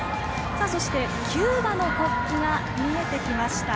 そして、キューバの国旗が見えてきました。